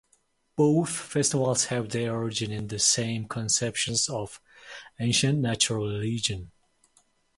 Both festivals have their origin in the same conceptions of ancient natural religion.